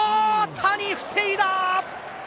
谷、防いだ。